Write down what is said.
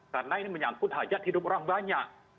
karena ini menyangkut hajat hidup orang banyak